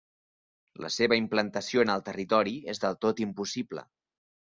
La seva implantació en el territori és del tot impossible.